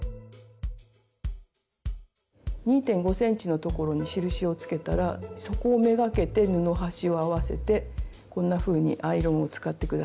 ２．５ｃｍのところに印をつけたらそこを目がけて布端を合わせてこんなふうにアイロンを使って下さい。